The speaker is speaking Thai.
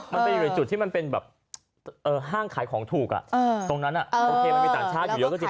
มันไปอยู่ในจุดที่มันเป็นแบบห้างขายของถูกตรงนั้นโอเคมันมีต่างชาติอยู่เยอะก็จริง